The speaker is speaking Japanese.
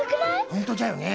ほんとじゃよね。